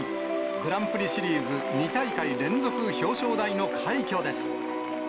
グランプリシリーズ２大会連続表彰台の快挙です。